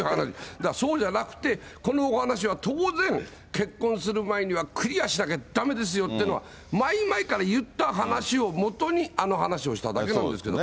だからそうじゃなくて、このお話は当然、結婚する前にはクリアしなきゃだめですよっていうのは、前々から言った話をもとに、あの話をしただけなんですけど。